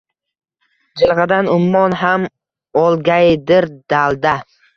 Jilg’adan ummon ham olgaydir dalda